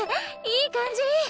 いい感じ。